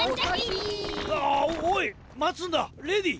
ああっおいまつんだレディー！